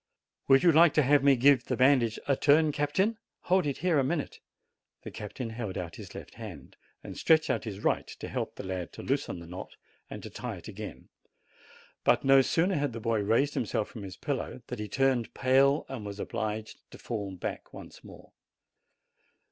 "Would you like to have me give the bandage a turn, captain? Hold it here a minute." The captain held out his left hand, and stretched out his right to help the lad to loosen the knot and to tie it again; but no sooner had the boy raised himself from his pillow than he turned pale and was obliged to fall back once more.